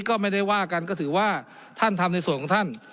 ก็ไม่ได้ว่ากันก็ถือว่าท่านทำในส่วนของท่าน